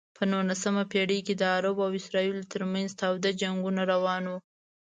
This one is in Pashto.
په نولسمه پېړۍ کې د عربو او اسرائیلو ترمنځ تاوده جنګونه روان و.